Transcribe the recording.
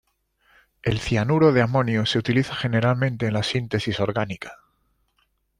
El cianuro de amonio se utiliza generalmente en la síntesis orgánica.